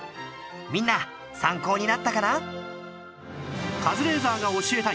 みんな参考になったかな？